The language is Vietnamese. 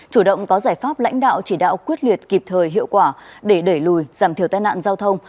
chủ động có giải pháp lãnh đạo chỉ đạo quyết liệt kịp thời hiệu quả để đẩy lùi giảm thiểu tai nạn giao thông